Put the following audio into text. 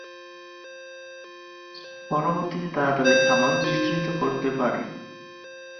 পরবর্তীতে তারা তাদের খামার বিস্তৃত করতে পারে।